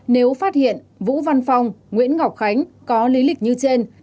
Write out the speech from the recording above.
nếu phát hiện vũ văn phong nguyễn ngọc khánh có lý lịch như trên